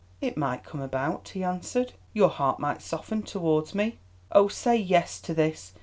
"It might come about," he answered; "your heart might soften towards me. Oh, say yes to this.